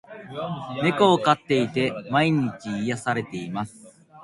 猫を飼っていて、毎日癒されています。